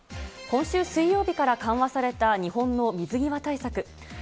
今週水曜日から緩和された、日本の水際対策。